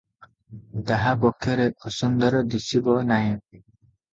ତାହା ପକ୍ଷରେ ଅସୁନ୍ଦର ଦିଶିବ ନାହିଁ ।